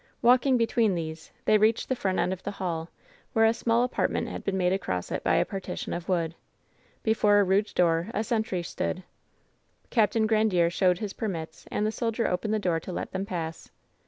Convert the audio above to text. Walking between these they reached the front end of the hall, where a small apartment had been made across it by a partition of wood. Before a rude door a sentry stood. Capt. Grandiere showed his permits, and the soldier opened the door to let them pass.